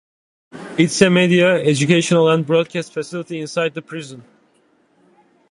It is a media educational and broadcast facility inside the prison.